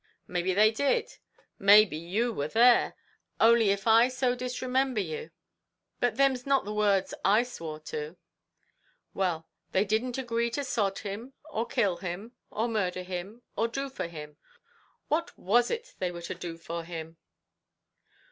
"Maybe they did maybe you were there; only if so I disremember you; but thim's not the words I swore to." "Well, they didn't agree to sod him, or kill him, or murder him, or do for him; what was it they were to do for him?"